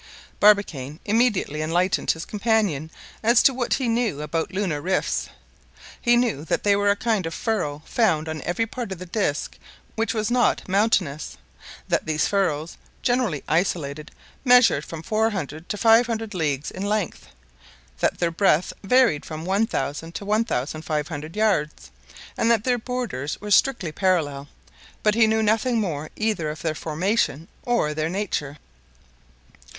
Barbicane immediately enlightened his companion as to what he knew about lunar rifts. He knew that they were a kind of furrow found on every part of the disc which was not mountainous; that these furrows, generally isolated, measured from 400 to 500 leagues in length; that their breadth varied from 1,000 to 1,500 yards, and that their borders were strictly parallel; but he knew nothing more either of their formation or their nature.